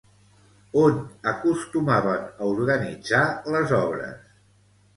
On acostumaven a organitzar les obres?